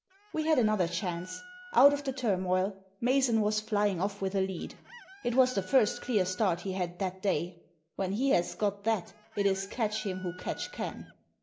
We had another chance. Out of the turmoil. Mason was flying off with a lead. It was the first clear start he had that day. When he has got that it is catch him who catch can